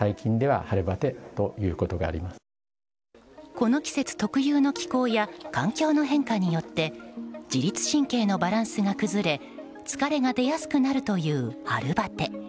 この季節特有の気候や環境の変化によって自律神経のバランスが崩れ疲れが出やすくなるという春バテ。